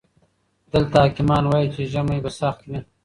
دلته حکيمان وايي چې ژمی به سخت وي.